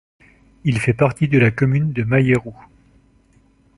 Il fait partie de la commune de Maieru.